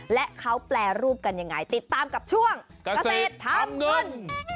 และเขาแปรรูปกันยังไงติดตามกับช่วงเกษตรทำเงิน